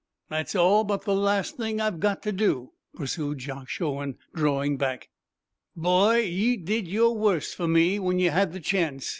"That's all but the last thing I've got to do," pursued Josh Owen, drawing back. "Boy, ye did yer worst for me, when ye had the chance.